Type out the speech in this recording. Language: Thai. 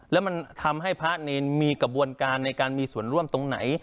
แล้วมันทำให้พระเนรมีกระบวนการในการมีส่วนร่วมตรงไหน